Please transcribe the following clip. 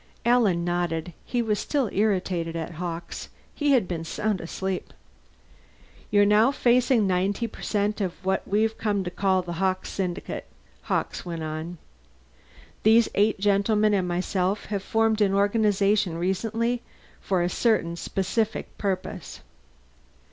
Alan nodded. He was still irritated at Hawkes; he had been sound asleep. "You're now facing ninety per cent of what we've come to call the Hawkes Syndicate," Hawkes went on. "These eight gentlemen and myself have formed the organization recently for a certain specific purpose.